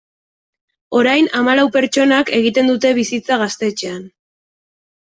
Orain hamalau pertsonak egiten dute bizitza gaztetxean.